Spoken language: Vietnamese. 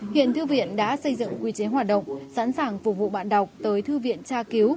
hiện thư viện đã xây dựng quy chế hoạt động sẵn sàng phục vụ bạn đọc tới thư viện tra cứu